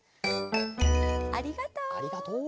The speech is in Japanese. ありがとう。